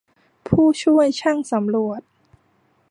ผู้ช่วยช่างสำรวจ